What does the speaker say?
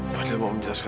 fadil mau menjelaskan